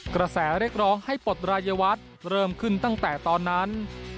กระแสเรียกร้องให้ปลดรายวัฒน์เริ่มขึ้นตั้งแต่ตอนนั้น